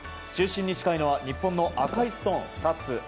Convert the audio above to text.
中心に近いのは日本の赤いストーン２つ。